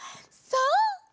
そう！